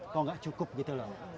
kok nggak cukup gitu loh